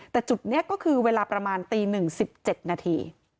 แต่จุดนี้ก็คือเวลาประมาณตี๑๑๗นาที